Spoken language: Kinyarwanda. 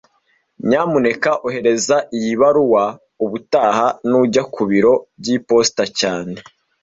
Nyamuneka ohereza iyi baruwa ubutaha nujya ku biro by'iposita cyane